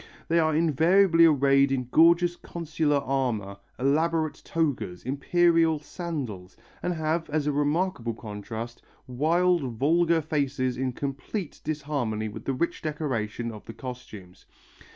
They are invariably arrayed in gorgeous consular armour, elaborate togas, imperial sandals, and have, as a remarkable contrast, wild, vulgar faces in complete disharmony with the rich decoration of the costumes.